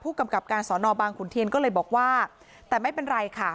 กำกับการสอนอบางขุนเทียนก็เลยบอกว่าแต่ไม่เป็นไรค่ะ